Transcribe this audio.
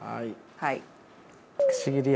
はい。